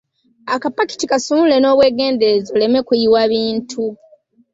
Akapakiti kasumulule n’obwegendereza oleme kuyiwa bintu.